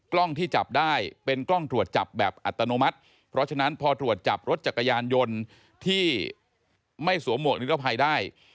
กล้องที่จับได้เป็นกล้องตรวจจับแบบอัตโนมัติเพราะฉะนั้นพอตรวจจับรถจักรยานยนต์ที่ไม่สวมหมวกนิรภัยได้